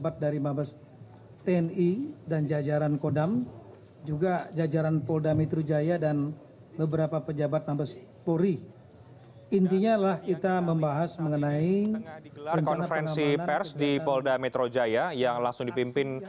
tengah digelar konferensi pers di polda metro jaya yang langsung dipimpin